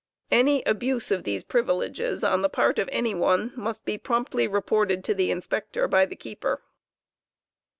Any abuse of these privileges oh the part of any one must be promptly reported to the Inspector by the keeper.